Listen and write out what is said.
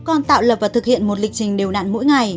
con tạo lập và thực hiện một lịch trình điều nạn mỗi ngày